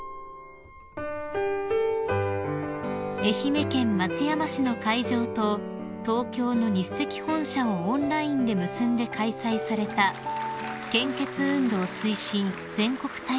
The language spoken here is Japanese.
［愛媛県松山市の会場と東京の日赤本社をオンラインで結んで開催された献血運動推進全国大会］